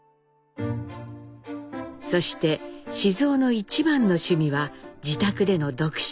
そして雄の一番の趣味は自宅での読書。